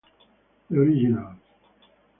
The Originals